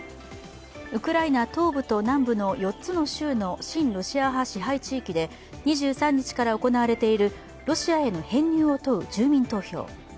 ウクライナ東部と南部の４つの州の親ロシア派支配地域で２３日から行われているロシアへの編入を問う住民投票。